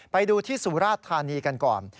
ไปดูที่สุราชธานีกันก่อน